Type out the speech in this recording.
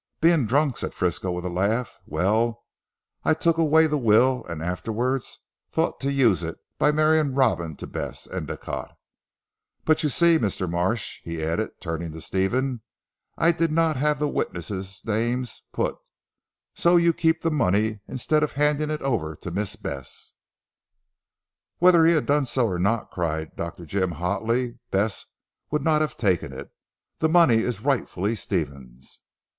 "Being drunk," said Frisco with a laugh, "well I took away the will and afterwards thought to use it, by marrying Robin to Bess Endicotte. But you see Mr. Marsh," he added turning to Stephen, "I did not have the witnesses names put, so you keep the money instead of handing it over to Miss Bess." "Whether he had done so or not," cried Dr. Jim hotly, "Bess would not have taken it. The money is rightfully Stephen's."